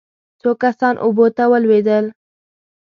څو کسان اوبو ته ولوېدل.